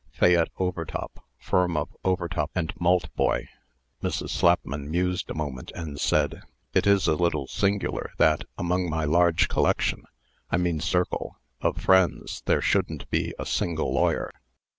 "Fayette Overtop, firm of Overtop & Maltboy." Mrs. Slapman mused a moment, and said: "It is a little singular, that, among my large collection I mean circle of friends, there shouldn't be a single lawyer."